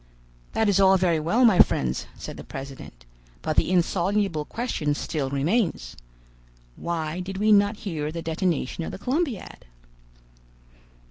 "That is all very well, my friends," said the president, "but the insoluble question still remains. Why did we not hear the detonation of the Columbiad?"